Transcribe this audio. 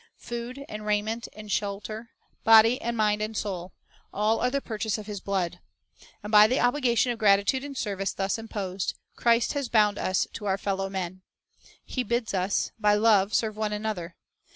Food and raiment and shelter, body and mind and soul, — all are the purchase of His blood. And by the obligation of gratitude and service thus imposed, Christ has bound us to our fellow men. He bids us, "By love serve one another."